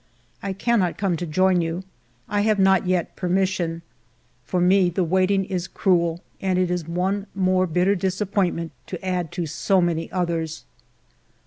I cannot come to join you; I have not yet per mission. For me the waiting is cruel, and it is one more bitter disappointment to add to so many others.